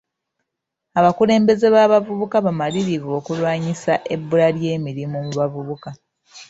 Abakulembeze b'abavubuka bamalirivu okulwanyisa ebbula ly'emirimu mu bavubuka.